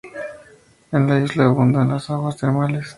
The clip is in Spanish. En la isla abundaban las aguas termales.